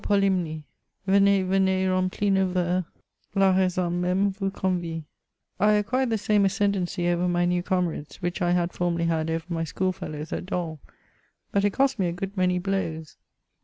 Polymnie ! Venez, venez remplir nos voeux ; La raison mSme vous convie I" I acquired the same ascendancy over my new comrades, which I had formerly had over my schoolfellows at Dol ; but it cost me a good many blows.